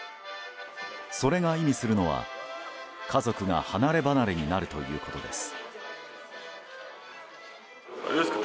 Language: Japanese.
それが意味するのは家族が離ればなれになるということです。